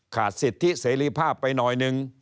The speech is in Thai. ขาดสิทธิเสรีภาพไปหน่อยนึง